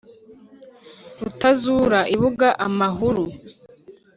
Rutazura ibuga amahuru,